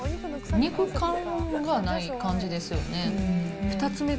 肉感がない感じですよね。